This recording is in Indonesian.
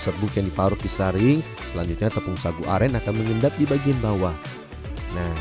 serbuk yang diparut disaring selanjutnya tepung sagu aren akan mengendap di bagian bawah nah